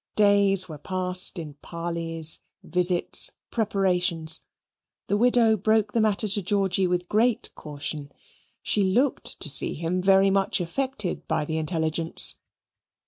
Days were passed in parleys, visits, preparations. The widow broke the matter to Georgy with great caution; she looked to see him very much affected by the intelligence.